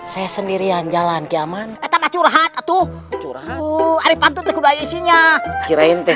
saya sendirian jalan kiaman atap curhat tuh curhat hari pantut juga isinya kirain teh